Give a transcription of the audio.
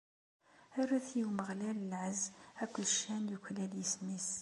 Rret i Umeɣlal lɛezz akked ccan yuklal yisem-is!